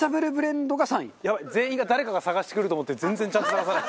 全員が誰かが探してくると思って全然ちゃんと探さない。